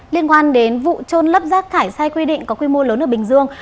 liên quan đến vụ trôn lấp rác thải sai quy định có quy mô lớn ở bình dương